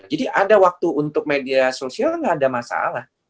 jadi ada waktu untuk media sosial nggak ada masalah